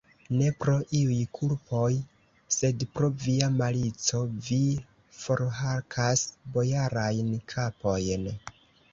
Ne pro iuj kulpoj, sed pro via malico vi forhakas bojarajn kapojn!